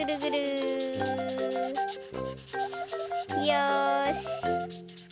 よし。